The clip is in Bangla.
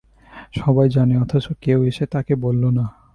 সবাই জানে, অথচ কেউ এসে তাঁকে বলল না।